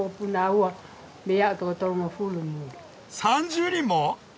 ３０人も！？